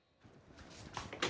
tidak ada yang bisa dikira